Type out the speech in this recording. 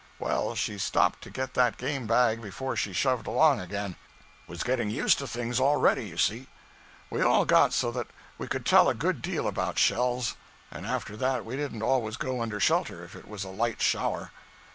Well, she stopped to get that game bag before she shoved along again! Was getting used to things already, you see. We all got so that we could tell a good deal about shells; and after that we didn't always go under shelter if it was a light shower.